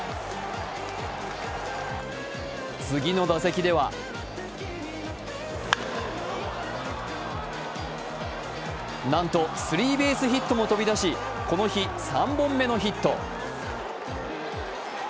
次の打席ではなんとスリーベースヒットも飛び出し、この日３本目のヒット。